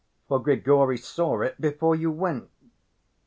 For Grigory saw it before you went."